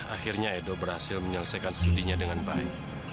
akhirnya edo berhasil menyelesaikan studinya dengan baik